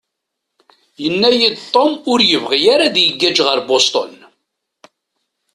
Yenna-iyi-d Tom ur yebɣi ara ad igaj ɣer Boston.